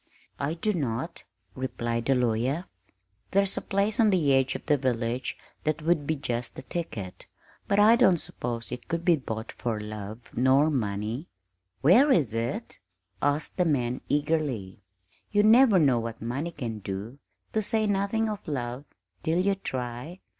"I do not," replied the lawyer. "There's a place on the edge of the village that would be just the ticket, but I don't suppose it could be bought for love nor money." "Where is it?" asked the man eagerly. "You never know what money can do to say nothing of love till you try."